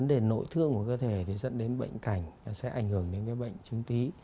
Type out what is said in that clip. nội thương của cơ thể thì dẫn đến bệnh cảnh sẽ ảnh hưởng đến cái bệnh trứng tí